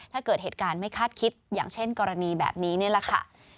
ถ้าเกิดเหตุการณ์ไม่คาดคิดอย่างเช่นกรณีแบบนี้นี่แหละค่ะ